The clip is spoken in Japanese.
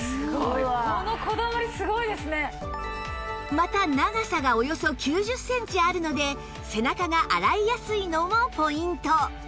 また長さがおよそ９０センチあるので背中が洗いやすいのもポイント